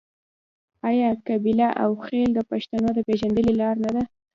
آیا قبیله او خیل د پښتنو د پیژندنې لار نه ده؟